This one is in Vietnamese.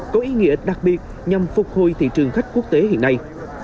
có ý nghĩa đặc biệt nhằm phục hồi thị trường khách quốc tế hiện nay